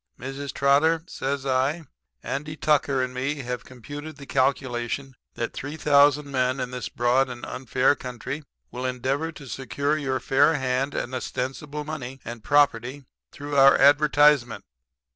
"'Mrs. Trotter,' says I, 'Andy Tucker and me have computed the calculation that 3,000 men in this broad and unfair country will endeavor to secure your fair hand and ostensible money and property through our advertisement.